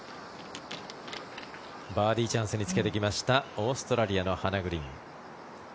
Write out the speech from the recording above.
バーディーチャンスにつけてきましたオーストラリアのハナ・グリーン。